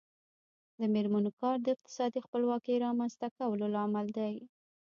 د میرمنو کار د اقتصادي خپلواکۍ رامنځته کولو لامل دی.